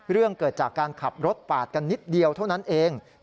เรื่องเกิดจากการขับรถปาดกันนิดเดียวเท่านั้นเอง